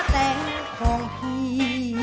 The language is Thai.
แต่งของพี่